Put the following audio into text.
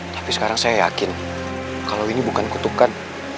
tapi sekarang saya yakin kalau ini bukan kutukan